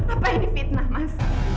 apa ini fitnah mas